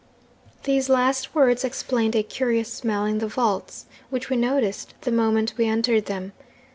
'These last words explained a curious smell in the vaults, which we noticed the moment we entered them.